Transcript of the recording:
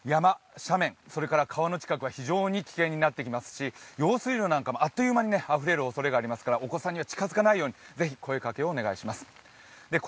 山、斜面、川の近くは非常に危険になってきますし、用水路なんかもあっという間にあふれる可能性もありますからお子さんには近づかないようにぜひお声掛けをお願いします。